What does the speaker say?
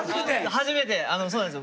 初めてあのそうなんですよ。